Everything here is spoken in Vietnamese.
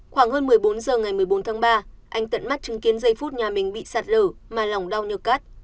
khoảng hơn một mươi bốn h ngày một mươi bốn tháng ba anh tận mắt chứng kiến giây phút nhà mình bị sạt lở mà lòng đau như cắt